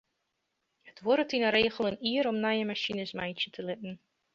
It duorret yn de regel in jier om nije masines meitsje te litten.